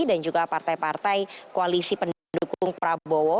dan juga partai partai koalisi pendukung prabowo